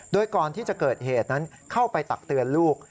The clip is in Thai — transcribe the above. โดยก่อนที่จะเกิดเหตุนั้นเข้าไปตักเตือนลูก